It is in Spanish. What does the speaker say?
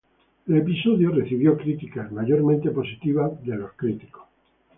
El episodio recibió críticas mayormente positivas de los críticos.